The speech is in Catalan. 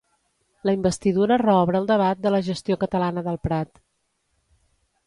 La investidura reobre el debat de la gestió catalana del Prat